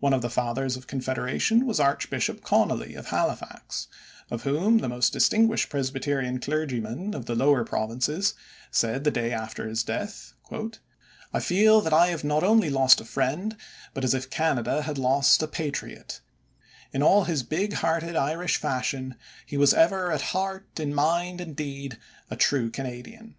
One of the Fathers of Confederation was Archbishop Connolly, of Halifax, of whom the most distinguished Presbyterian clergyman of the Lower Provinces said the day after his death: "I feel that I have not only lost a friend, but as if Canada had lost a patriot; in all his big hearted Irish fashion he was ever at heart, in mind, and deed, a true Canadian."